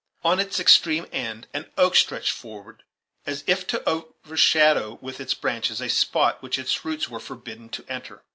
On its extreme end an oak stretched forward, as if to overshadow with its branches a spot which its roots were forbidden to enter.